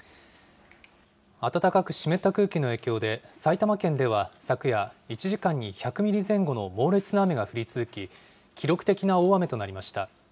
暖かく湿った空気の影響で、埼玉県では昨夜、１時間に１００ミリ前後の猛烈な雨が降り続き、記録的な大雨となりました。